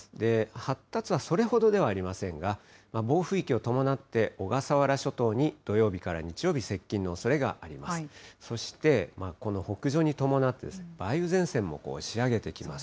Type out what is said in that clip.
発達はそれほどではありませんが、暴風域を伴って、小笠原諸島に土曜日から日曜日、接近のおそれがあります。